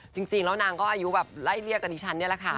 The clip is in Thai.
จริงแล้วนางก็อายุแบบไล่เรียกกับดิฉันนี่แหละค่ะ